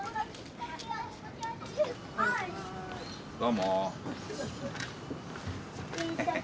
どうも。